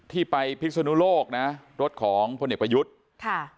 ที่ไปพิศนุโลกนะรถของพลเอกประยุทธ์ค่ะ